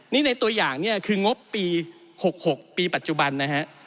นี่ในตัวอย่างเนี่ยคืองบปี๖๖ปีปัจจุบันนะฮะ